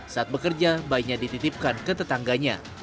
saat bekerja bayinya dititipkan ke tetangganya